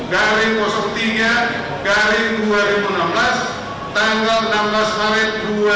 satu garim tiga garim dua ribu enam belas tanggal enam belas maret dua ribu enam belas